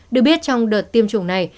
được biết trong đợt tiêm chủng này